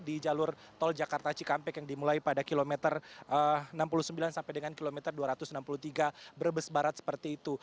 di jalur tol jakarta cikampek yang dimulai pada kilometer enam puluh sembilan sampai dengan kilometer dua ratus enam puluh tiga brebes barat seperti itu